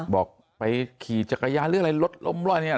บอกไปขี่จักรยานหรืออะไรรถล้มรอยเนี่ย